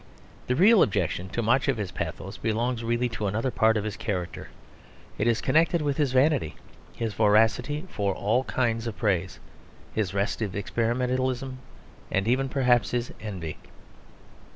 The real objection to much of his pathos belongs really to another part of his character. It is connected with his vanity, his voracity for all kinds of praise, his restive experimentalism and even perhaps his envy.